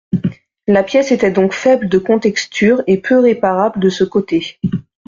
La pièce était donc faible de contexture et peu réparable de ce côté.